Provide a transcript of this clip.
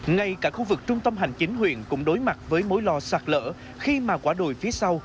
ngay cả khu vực trung tâm hành chính huyện cũng đối mặt với mối lo sạt lở khi mà quả đồi phía sau